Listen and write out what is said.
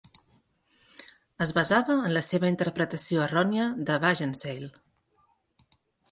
Es basava en la seva interpretació errònia de Wagenseil.